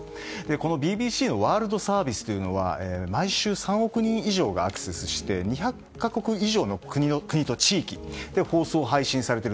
ＢＢＣのワールドサービスは毎週３億人以上がアクセスして２００以上の国と地域で放送・配信されている